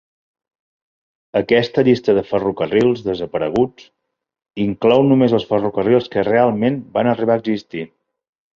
Aquesta llista de ferrocarrils desapareguts inclou només els ferrocarrils que realment van arribar a existir.